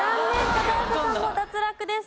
片寄さんも脱落です。